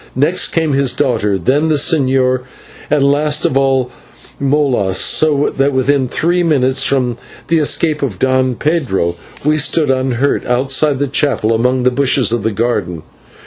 Next came his daughter, then the Señor, and last of all, Molas, so that within three minutes from the escape of Don Pedro we stood unhurt outside the chapel among the bushes of a garden.